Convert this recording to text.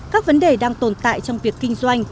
các vấn đề đang tồn tại trong việc kinh doanh